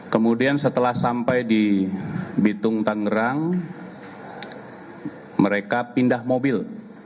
kemudian setelah sampai di bitung tangerang mereka pindah mobil